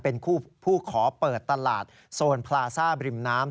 เป็นผู้ขอเปิดตลาดโซนพลาซ่าบริมน้ำ